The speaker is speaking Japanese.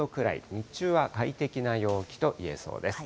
日中は快適な陽気といえそうです。